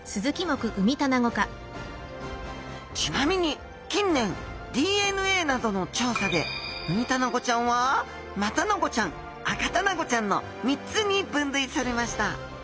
ちなみに近年ＤＮＡなどの調査でウミタナゴちゃんはマタナゴちゃんアカタナゴちゃんの３つに分類されました。